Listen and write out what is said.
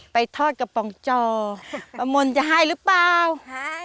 ไปทอดกระป๋องจอประมนต์จะให้หรือเปล่าให้